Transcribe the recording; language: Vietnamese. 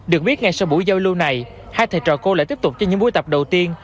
được biết ngay sau buổi giao lưu này hai thầy trò cô lại tiếp tục cho những buổi tập đầu tiên